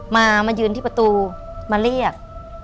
มายืนที่ประตูมาเรียก